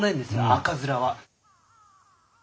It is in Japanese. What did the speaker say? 赤面は。